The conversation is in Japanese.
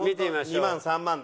本当２万３万で。